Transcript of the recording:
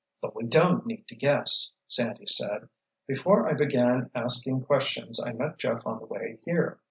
"But we don't need to guess," Sandy said. "Before I began asking questions I met Jeff on the way here."